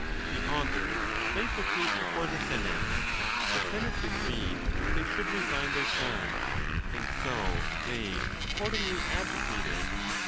The augurs laid the case before the senate. The senate decreed that they should resign their charge, and so they accordingly abdi cated.